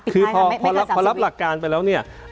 คือพอรับหลักการไปแล้วเนี่ย